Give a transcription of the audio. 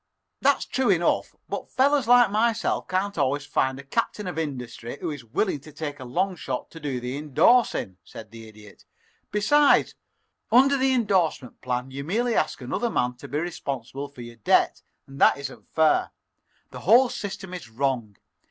"That's true enough, but fellows like myself can't always find a captain of industry who is willing to take a long shot to do the indorsing," said the Idiot. "Besides, under the indorsement plan you merely ask another man to be responsible for your debt, and that isn't fair. The whole system is wrong.